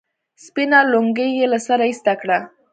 سپينه لونگۍ يې له سره ايسته کړه.